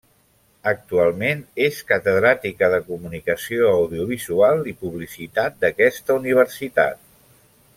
Actualment és catedràtica de comunicació audiovisual i publicitat d'aquesta universitat.